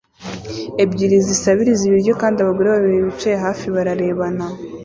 ebyiri zisabiriza ibiryo kandi abagore babiri bicaye hafi bararebana